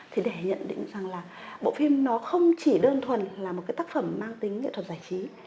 thì để nhận định rằng là bộ phim nó không chỉ đơn thuần là một cái tác phẩm mang tính nghệ thuật giải trí